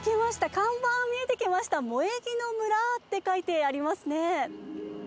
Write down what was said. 看板見えてきました、萌木の村って書いてありますね。